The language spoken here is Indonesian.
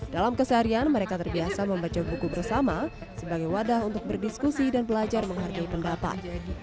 dalam keseharian mereka terbiasa membaca buku bersama sebagai wadah untuk berdiskusi dan belajar menghargai pendapat